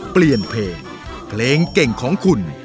เปลี่ยนเพลงเพลงเก่งของคุณ